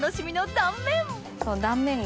断面が。